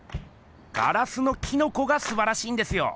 ガラスのキノコがすばらしいんですよ。